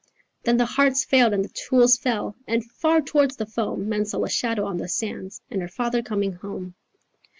Then the hearts failed and the tools fell, And far towards the foam, Men saw a shadow on the sands And her father coming home."